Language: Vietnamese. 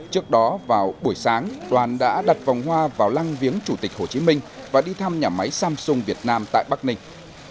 trước đó vào buổi sáng đoàn đã đặt vòng hoa vào lăng viếng chủ tịch hồ chí minh và đi thăm nhà máy samsung việt nam tại bắc ninh